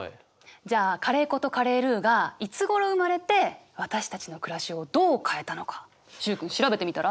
じゃあカレー粉とカレールーがいつごろ生まれて私たちの暮らしをどう変えたのか習君調べてみたら？